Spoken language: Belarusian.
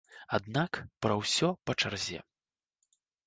Аднак, пра ўсё па чарзе.